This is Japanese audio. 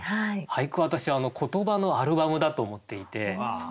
俳句は私言葉のアルバムだと思っていて。